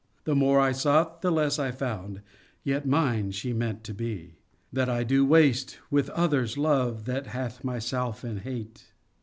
The more I sought the less I found Yet mine she meant to be." "That I do waste, with others, love That hath myself in hate."